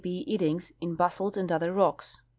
P. Iddings in basalt and other rocks.'